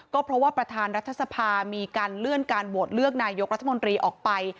ก็เพราะว่าประธานรัฐสภามีการเลื่อนการโหวตเลือกนายกรัฐมนตรีออกไป